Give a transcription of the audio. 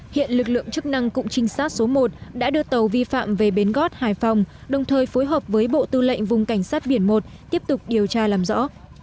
hiện lực lượng chức năng cụm trinh sát số một đã đưa tàu vi phạm về bến gót hải phòng đồng thời phối hợp với bộ tư lệnh vùng cảnh sát biển một tiếp tục điều tra làm rõ